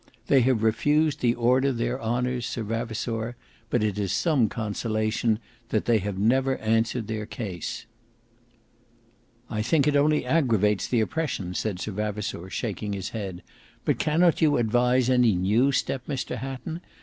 They have refused the Order their honours, Sir Vavasour, but it is some consolation that they have never answered their case." "I think it only aggravates the oppression," said Sir Vavasour, shaking his head; "but cannot you advise any new step, Mr Hatton?